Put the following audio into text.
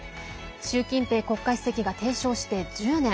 習近平国家主席が提唱して１０年。